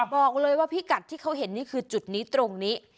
บอกเลยว่าพิกัดที่เขาเห็นนี่คือจุดนี้ตรงนี้